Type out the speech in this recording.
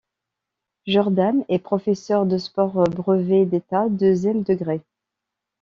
Jordane est professeur de Sport Brevet d'État deuxième degré.